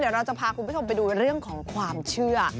เดี๋ยวเราจะพาคุณผู้ชมไปดูเรื่องของความเชื่อ